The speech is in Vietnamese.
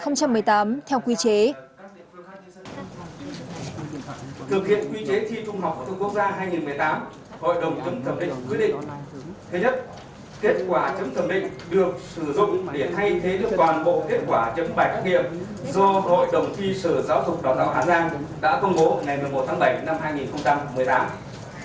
hội đồng chấm thẩm định quyết định kết quả chấm thẩm định được sử dụng để thay thế cho toàn bộ kết quả chấm bài thi trắc nghiệm do hội đồng thi sở giáo dục đoàn tạo hà giang đã công bố ngày một mươi một tháng bảy năm hai nghìn một mươi tám